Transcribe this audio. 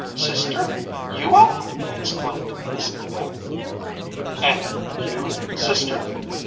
"Sister! You up!" exclaimed Miss Ebag. "And you, sister!"